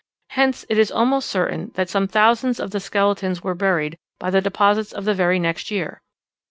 Hence it is almost certain that some thousands of the skeletons were buried by the deposits of the very next year.